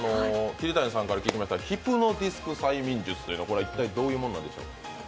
桐谷さんから聞きました、ヒプノディスク催眠術、これは一体どういうものなんでしょう。